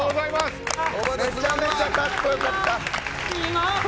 めちゃめちゃかっこよかった。